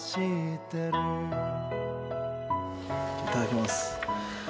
いただきます。